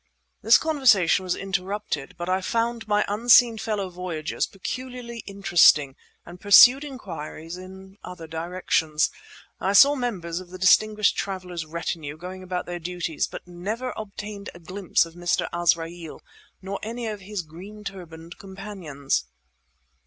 This conversation was interrupted, but I found my unseen fellow voyagers peculiarly interesting and pursued inquiries in other directions. I saw members of the distinguished travellers' retinue going about their duties, but never obtained a glimpse of Mr. Azraeel nor of any of his green turbaned companions.